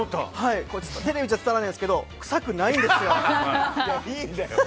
テレビじゃ伝わらないんですけど臭くないんですよ。